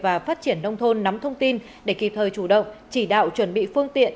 và phát triển nông thôn nắm thông tin để kịp thời chủ động chỉ đạo chuẩn bị phương tiện